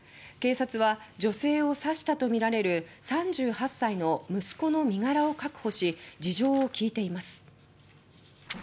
警察は女性を刺したとみられる３８歳の息子の身柄を確保し事情を聞いています。